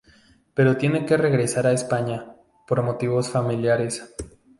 Pero tiene que regresar a España por motivos familiares.